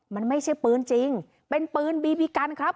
มันไม่ใช่ปืนจริงเป็นปืนบีบีกันครับ